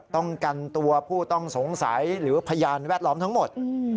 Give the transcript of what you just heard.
ต้องกันตัวผู้ต้องสงสัยหรือพยานแวดล้อมทั้งหมด